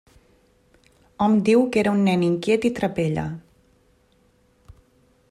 Hom diu que era un nen inquiet i trapella.